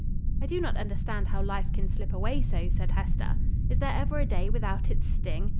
"I do not understand how life can slip away so," said Hester. "Is there ever a day without its sting?